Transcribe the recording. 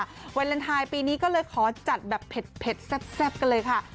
ที่ผ่านมาเวลาลันทายปีนี้ก็เลยขอจัดแบบเผ็ดแซ่บกันเลยค่ะ